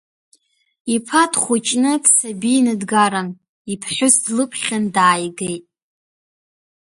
Иԥа дхәыҷны, дсабины дгаран, иԥҳәыс длыԥхьан дааигеит.